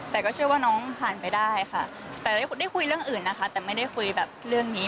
แต่ก็เชื่อว่าน้องผ่านไปได้ค่ะแต่ได้คุยเรื่องอื่นนะคะแต่ไม่ได้คุยแบบเรื่องนี้